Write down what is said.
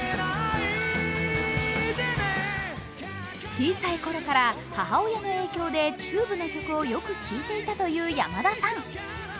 小さい頃から母親の影響でＴＵＢＥの曲をよく聴いていたという山田さん。